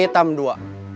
kopi hitam dua